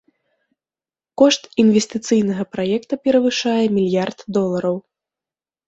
Кошт інвестыцыйнага праекта перавышае мільярд долараў.